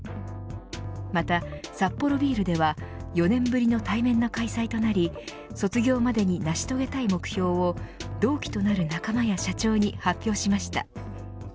また、サッポロビールでは４年ぶりの対面の開催となり卒業までに成し遂げたい目標を同期となる仲間や社長に発表しました。